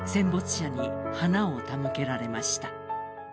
戦没者に花を手向けられました。